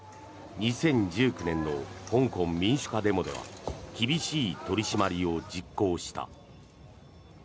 ２０１９年の香港民主化デモでは厳しい取り締まりを実行した。